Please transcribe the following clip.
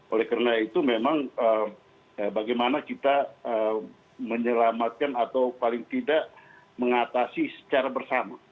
oleh karena itu memang bagaimana kita menyelamatkan atau paling tidak mengatasi secara bersama